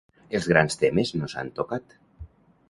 Els grans temes no s’han tocat.